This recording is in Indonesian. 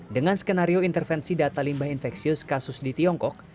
dengan skenario intervensi data limbah infeksius kasus di tiongkok